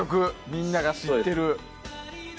みんなが知ってる。